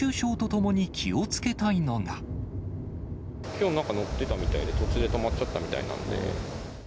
きょう、なんか乗ってたみたいで、途中で止まっちゃったみたいなんで。